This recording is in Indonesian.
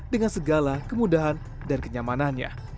dengan segala kemudahan dan kenyamanannya